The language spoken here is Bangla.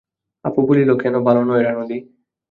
অপু বলিল, কেন ভালো নয় রানুদি?